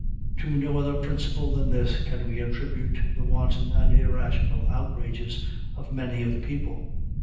To no other principle than this can we attribute the wanton and irrational outrages of many of the people.